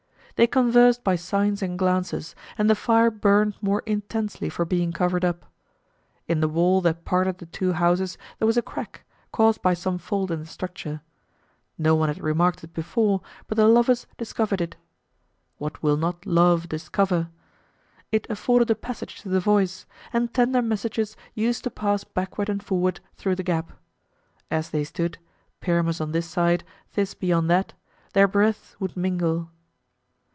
They conversed by signs and glances, and the fire burned more intensely for being covered up. In the wall that parted the two houses there was a crack, caused by some fault in the structure. No one had remarked it before, but the lovers discovered it. What will not love discover! It afforded a passage to the voice; and tender messages used to pass backward and forward through the gap. As they stood, Pyramus on this side, Thisbe on that, their breaths would mingle.